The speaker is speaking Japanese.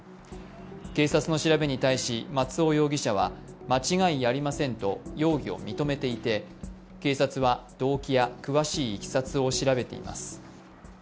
警察の調べに対し松尾容疑者は間違いありませんと容疑を認めていて警察は動機や詳しいいきさつを調べています。